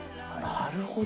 なるほど。